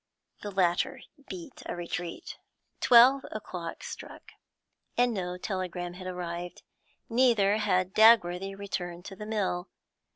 The latter beat a retreat. Twelve o'clock struck, and no telegram had arrived; neither had Dagworthy returned to the mill.